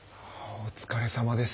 お疲れさまです。